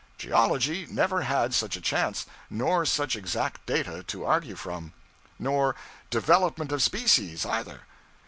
Geology never had such a chance, nor such exact data to argue from! Nor 'development of species,' either!